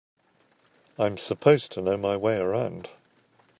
I'm supposed to know my way around.